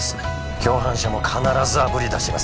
共犯者も必ずあぶり出します・